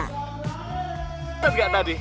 lumpa gak tadi